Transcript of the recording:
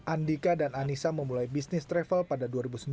andika dan anissa memulai bisnis travel pada dua ribu sembilan